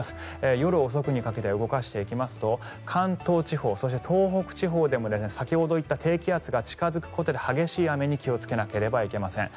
夜遅くにかけて動かしていきますと関東地方、そして東北地方でも先ほど言った低気圧が近付くことで激しい雨に気をつけなければいけません。